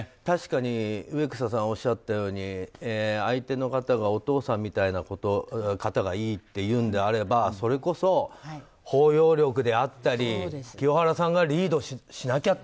確かに植草さんおっしゃったように相手の方がお父さんみたいな方がいいっていうんであればそれこそ包容力であったり清原さんが人間力ですね。